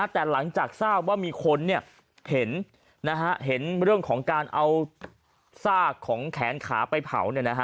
แต่หลังจากทราบว่ามีคนเห็นเรื่องของการเอาซากของแขนขาไปเผา